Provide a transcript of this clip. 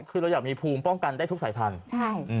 คือเราอยากมีภูมิป้องกันได้ทุกสายพันธุ์